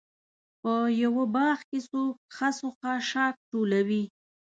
په یوه باغ کې څوک خس و خاشاک ټولوي.